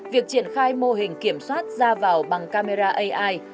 việc triển khai mô hình kiểm soát ra vào bằng camera ai